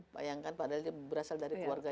bayangkan padahal dia berasal dari keluarga